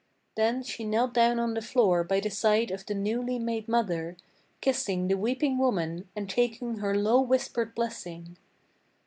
Then she knelt down on the floor by the side of the newly made mother, Kissing the weeping woman, and taking her low whispered blessing.